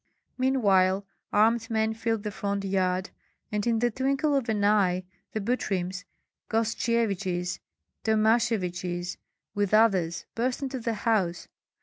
Meanwhile armed men filled the front yard; and in the twinkle of an eye the Butryms, Gostsyeviches, Domasheviches, with others, burst into the house.